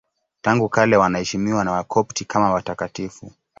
Tangu kale wanaheshimiwa na Wakopti kama watakatifu.